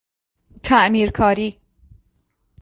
تعمیرکاری